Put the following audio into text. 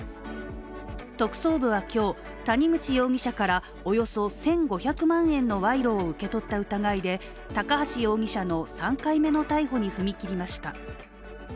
特捜部は今日、谷口容疑者からおよそ１５００万円の賄賂を受け取った疑いで、高橋容疑者の３回目の逮捕に踏み切りました。